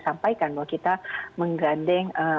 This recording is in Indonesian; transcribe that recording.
sampaikan bahwa kita menggandeng